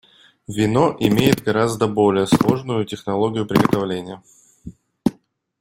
Вино имеет гораздо более сложную технологию приготовления.